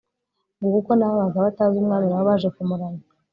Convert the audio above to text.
nguko uko n'ababaga batazi umwami na bo baje kumuramya